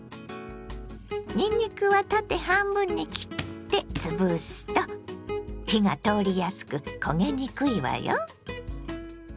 にんにくは縦半分に切ってつぶすと火が通りやすく焦げにくいわよ。